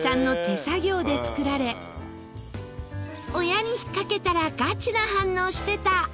「親に引っかけたらガチな反応してた」